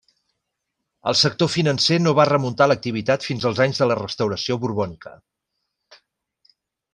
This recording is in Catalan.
El sector financer no va remuntar l'activitat fins als anys de la restauració borbònica.